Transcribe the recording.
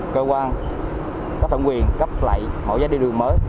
cơ quan cấp thẩm quyền cấp lại mẫu giấy đi đường mới